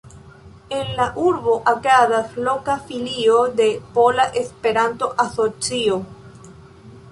En la urbo agadas loka Filio de Pola Esperanto-Asocio.